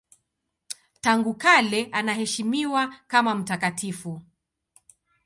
Tangu kale anaheshimiwa kama mtakatifu.